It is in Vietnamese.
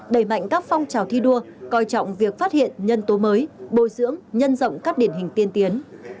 đẩy mạnh các phong trào thi đua coi trọng việc phát hiện nhân tố mới bồi dưỡng nhân rộng các điển hình tiên tiến